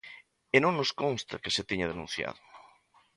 E non nos consta que se teña denunciado.